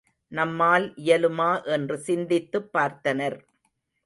நம்மால் இயலுமா என்று சிந்தித்துப் பார்த்தனர்.